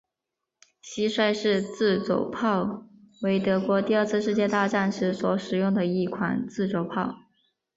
蟋蟀式自走炮为德国在第二次世界大战时所使用的一款自走炮。